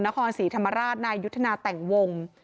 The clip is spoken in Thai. นครศรีธรรมราชนายยุทธนาแต่งวง